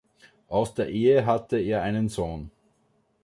Aus der Ehe hat er einen Sohn.